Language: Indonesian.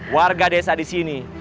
warga desa di sini